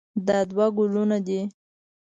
دا دوه ګلونه دي.